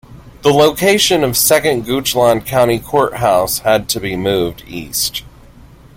The location of second Goochland County courthouse had to be moved east.